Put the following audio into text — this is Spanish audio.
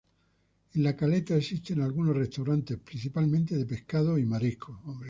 En la caleta existen algunos restaurantes principalmente de pescados y mariscos.